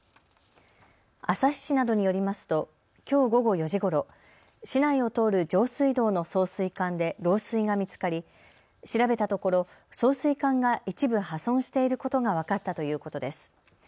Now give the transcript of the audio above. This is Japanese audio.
旭市などによりますときょう午後４時ごろ、市内を通る上水道の送水管で漏水が見つかり調べたところ、送水管が一部破損していることが分かったということです。